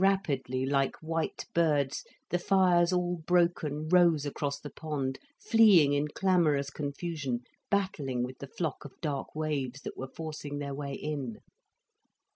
Rapidly, like white birds, the fires all broken rose across the pond, fleeing in clamorous confusion, battling with the flock of dark waves that were forcing their way in.